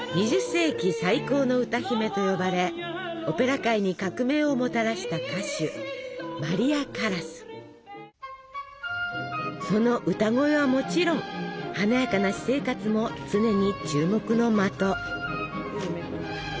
２０世紀最高の歌姫と呼ばれオペラ界に革命をもたらした歌手その歌声はもちろん華やかな私生活も常に注目の的。